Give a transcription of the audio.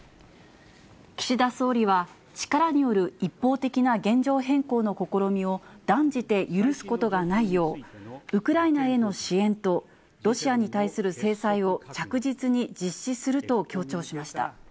岸田総理は、力による一方的な現状変更の試みを断じて許すことがないよう、ウクライナへの支援と、ロシアに対する制裁を着実に実施すると強調しました。